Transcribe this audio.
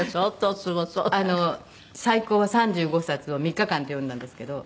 最高は３５冊を３日間で読んだんですけど。